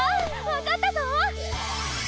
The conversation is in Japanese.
わかったぞ！